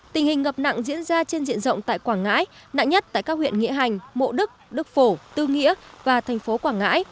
tình hình ngập nặng diễn ra trên diện rộng tại quảng ngãi nặng nhất tại các huyện nghĩa hành mộ đức đức phổ tư nghĩa và thành phố quảng ngãi